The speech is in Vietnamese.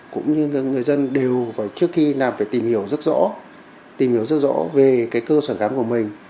cũng như người dân đều trước khi làm phải tìm hiểu rất rõ về cơ sở khám của mình